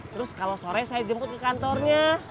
terus kalau sore saya jemput ke kantornya